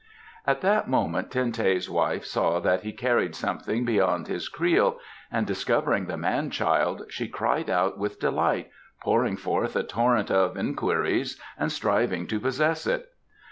At that moment Ten teh's wife saw that he carried something beyond his creel and discovering the man child she cried out with delight, pouring forth a torrent of inquiries and striving to possess it.